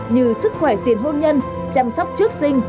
như sức khỏe tiền hôn nhân chăm sóc trước sinh